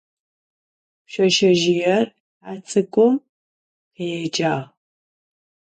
Pşseşsezjıêr he ts'ık'um khêcağ.